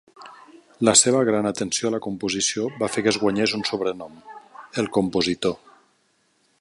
La seva gran atenció a la composició va fer que es guanyés un sobrenom: "el compositor".